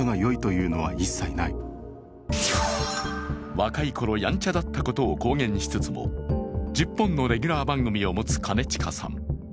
若いころヤンチャだったことを公言しつつも、１０本のレギュラー番組を持つ兼近さん。